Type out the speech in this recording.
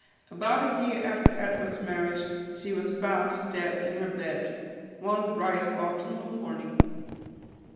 About a year after Edward's marriage, she was found dead in her bed, one bright autumnal morning.